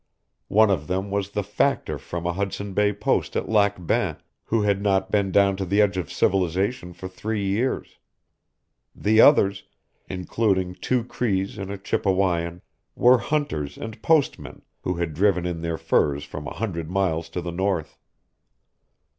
One of them was the factor from a Hudson Bay post at Lac Bain who had not been down to the edge of civilization for three years; the others, including two Crees and a Chippewayan, were hunters and Post men who had driven in their furs from a hundred miles to the north.